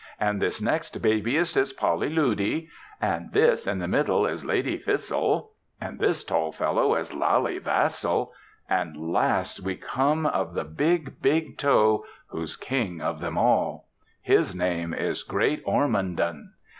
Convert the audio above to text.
"And this next babiest is Polly Loody. And this in the middle is Lady Fissle. And this tall fellow is Lally Vassal. And last we come of the big, big toe, who's king of them all. His name is Great Ormondon."